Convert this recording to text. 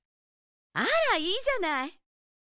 あらいいじゃない！